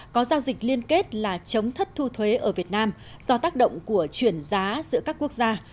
có giao dịch liên kết là chống thất thu thuế ở việt nam do tác động của chuyển giá giữa các quốc gia